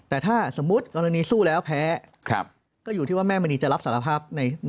แต่ถ้าสมมุติกรณีสู้แล้วแพ้ก็อยู่ที่ว่าแม่มณีจะรับสารภาพ